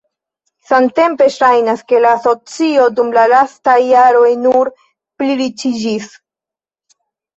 Samtempe ŝajnas, ke la asocio dum la lastaj jaroj nur pliriĉiĝis.